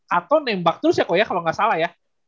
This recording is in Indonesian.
kato nembak terus ya kok ya kalo gak salah ya